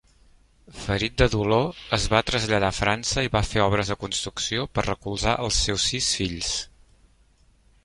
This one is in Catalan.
Ferit de dolor, es va traslladar a França i va fer obres de construcció per recolzar els seus sis fills.